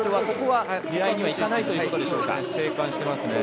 ここは狙いにはいかないということです。